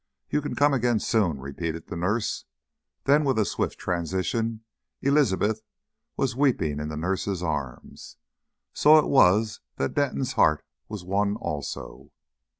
"You can come again soon," repeated the nurse. Then with a swift transition Elizabeth was weeping in the nurse's arms. So it was that Denton's heart was won also.